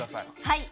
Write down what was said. はい！